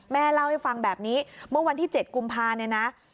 แม่เล่าให้ฟังแบบนี้เมื่อวันที่๗กุมภาเนี่ยนะ